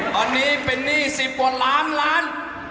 ตอนนี้เป็นหนี้๑๐กว่าล้านล้าน